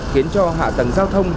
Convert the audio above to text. khiến cho hạ tầng giao thông